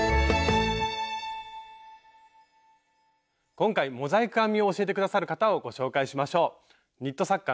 今回モザイク編みを教えて下さる方をご紹介しましょう。